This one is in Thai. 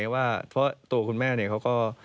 เพราะตัวคุณแม่เนี่ยเขาก็